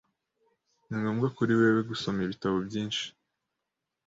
Ni ngombwa kuri wewe gusoma ibitabo byinshi.